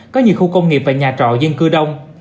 có nhiều khu công nghiệp và nhà trọ dân cư đông